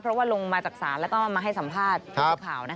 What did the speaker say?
เพราะว่าลุงมาจักษาแล้วก็มาให้สัมภาษณ์